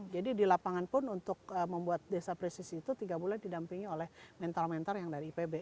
jadi di lapangan pun untuk membuat desa presisi itu tiga bulan didampingi oleh mentor mentor yang dari ipb